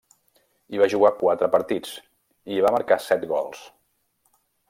Hi va jugar quatre partits, i hi va marcar set gols.